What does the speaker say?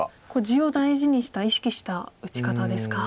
地を大事にした意識した打ち方ですか。